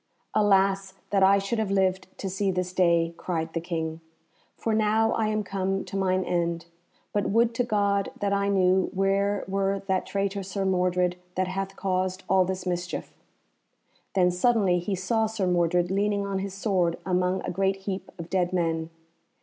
"Alas! that I should have lived to see this day," cried the King, "for now I am come to mine end; but would to God that I knew where were that traitor Sir Mordred that hath caused all this mischief." Then suddenly he saw Sir Mordred leaning on his sword among a great heap of dead men.